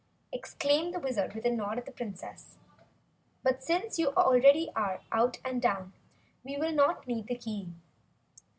exclaimed the Wizard with a nod at the Princess. "But since you already are out and down, we'll not need the key.